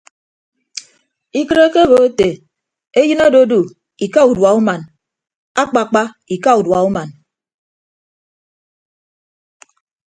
Ikịt ekebo ete eyịn ododu ika udua uman akpakpa ika udua uman.